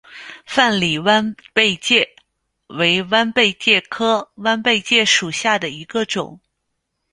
范蠡弯贝介为弯贝介科弯贝介属下的一个种。